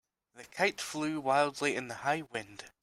The kite flew wildly in the high wind.